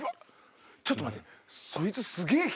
ちょっと待ってそいつ。